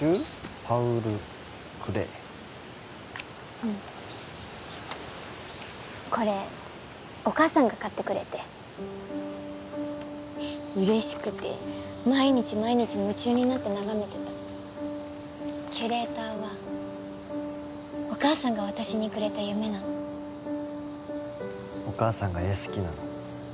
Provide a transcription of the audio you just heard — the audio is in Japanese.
パウル・クレーうんこれお母さんが買ってくれて嬉しくて毎日毎日夢中になって眺めてたキュレーターはお母さんが私にくれた夢なのお母さんが絵好きなの？